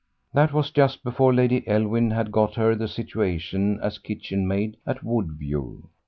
That was just before Lady Elwin had got her the situation as kitchen maid at Woodview.